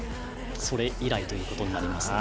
それ以来ということになります。